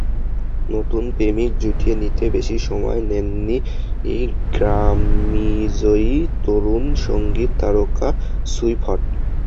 নতুন প্রেমিক জুটিয়ে নিতে বেশি সময় নেননি গ্র্যামিজয়ী তরুণ সংগীত তারকা সুইফট।